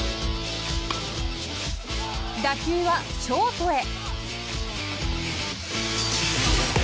［打球はショートへ］